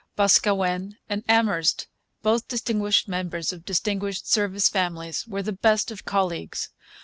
Boscawen and Amherst, both distinguished members of distinguished Service families, were the best of colleagues.